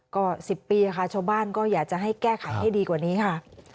ก็๑๐ปีค่ะชาวบ้านก็อยากจะให้แก้ไขให้ดีกว่านี้ค่ะ